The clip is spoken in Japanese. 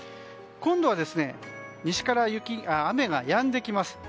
今度は西から雨がやんできます。